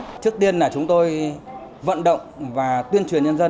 trước tiên là chúng tôi vận động và tuyên truyền nhân dân